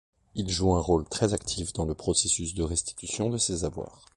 Il joue un rôle très actif dans le processus de restitution de ces avoirs.